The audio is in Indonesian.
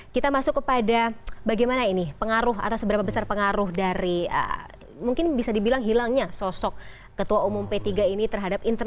kita masuk kepada bagaimana ini pengaruh atau seberapa besar pengaruh dari mungkin bisa dibilang hilangnya sosok ketua umum p tiga ini terhadap internal